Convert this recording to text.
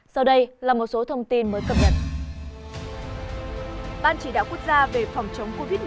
sau đây là một số thông tin mới cập nhật